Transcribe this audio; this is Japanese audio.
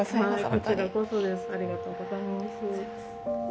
こちらこそですありがとうございます